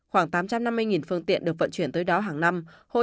khoảng tám trăm năm mươi phương tiện được vận chuyển tới đó hàng năm